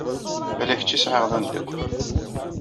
Ala kečč i sɛiɣ d ameddakel.